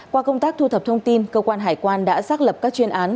qua công tác thu thập thông tin cơ quan hải quan đã xác lập các chuyên án